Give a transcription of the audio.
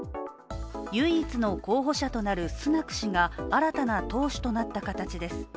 唯一の候補者となるスナク氏が新たな党首となった形です。